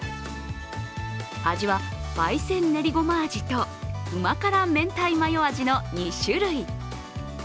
味は、焙煎ねりゴマ味とうま辛明太マヨ味の２種類。